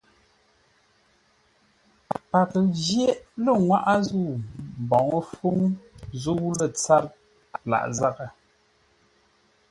Paghʼə jyéʼ lə́ ŋwáʼá mbǒu fúŋ zə̂u lə́ tsâr lâʼ zághʼə.